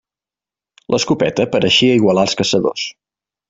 L'escopeta pareixia igualar els caçadors.